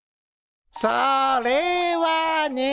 それはね。